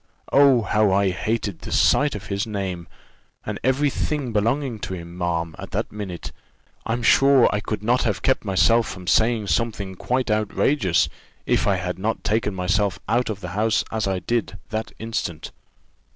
Oh, how I hated the sight of his name, and every thing belonging to him, ma'am, at that minute! I'm sure, I could not have kept myself from saying something quite outrageous, if I had not taken myself out of the house, as I did, that instant.